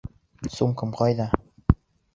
Сумкам ҡайҙа?